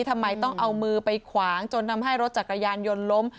ทำไมต้องเอามือไปขวางจนทำให้รถจักรยานยนต์ล้ม